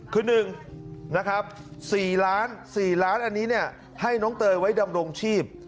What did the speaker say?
คือหนึ่งนะครับสี่ล้านสี่ล้านอันนี้เนี่ยให้น้องเตยไว้ดำรงชีพ